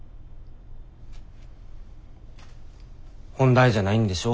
本題じゃないんでしょ？